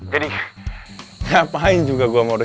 jadi ngapain juga gue modus